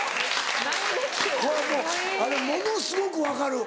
これもうものすごく分かる。